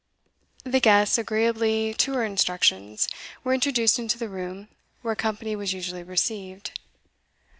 The guests, agreeably to her instructions, were introduced into the room where company was usually received.